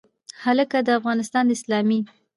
هکله، د افغانستان د اسلامي